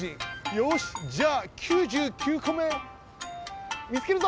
よしじゃあ９９こめみつけるぞ！